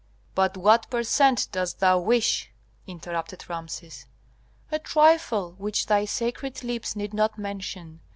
"But what per cent dost thou wish?" interrupted Rameses. "A trifle, which thy sacred lips need not mention.